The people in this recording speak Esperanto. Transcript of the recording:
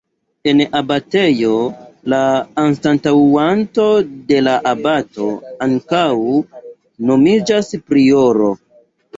En abatejo la anstataŭanto de la abato ankaŭ nomiĝas prioro.